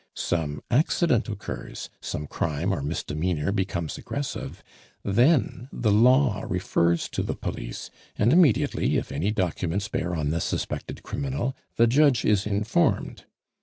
Some accident occurs, some crime or misdemeanor becomes aggressive, then the law refers to the police, and immediately, if any documents bear on the suspected criminal, the judge is informed.